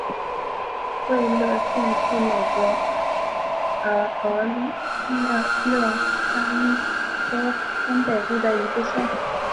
惠勒县是美国俄勒冈州中北部的一个县。